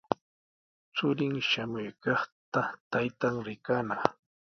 Churin shamuykaqta taytan rikanaq.